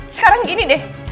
sekarang gini deh